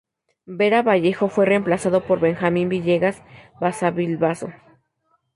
Vera Vallejo fue reemplazado por Benjamín Villegas Basavilbaso.